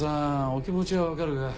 お気持ちは分かるが。